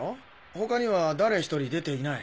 他には誰一人出ていない。